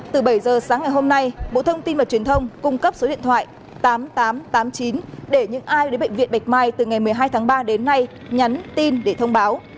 từ bảy giờ sáng ngày hôm nay bộ thông tin và truyền thông cung cấp số điện thoại tám nghìn tám trăm tám mươi chín để những ai đến bệnh viện bạch mai từ ngày một mươi hai tháng ba đến nay nhắn tin để thông báo